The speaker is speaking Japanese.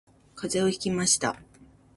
風邪をひきました